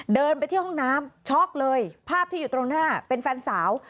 เดินไปที่ห้องน้ำช็อกเลยภาพที่อยู่ตรงหน้าเป็นแฟนสาว